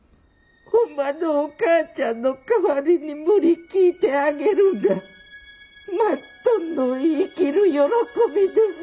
ほんまのお母ちゃんの代わりに無理聞いてあげるんがマットンの生きる喜びです。